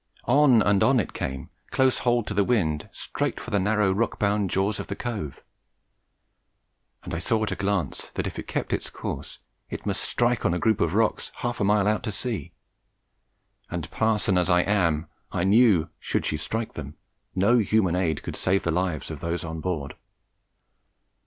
On and on it came, close hauled to the wind, straight for the narrow rock bound jaws of the cove; and I saw at a glance that, if it kept its course, it must strike on a group of rocks some half mile out at sea; and, parson as I am, I knew, should she strike them, no human aid could save the lives of those on board.